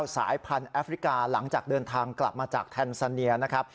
สายพันธุ์แอฟริกาหลังจากเดินทางกลับมาจากแทนซาเนียนะครับ